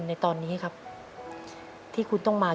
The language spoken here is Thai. อาจจะอยู่ข้างกัน